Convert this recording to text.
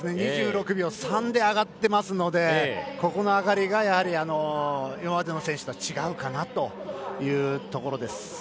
２６秒３で上がっていますのでここの上がりが今までの選手とは違うかなというところです。